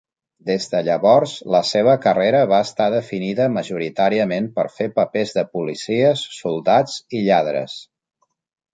Des de llavors, la seva carrera va estar definida majoritàriament per fer papers de policies, soldats i lladres.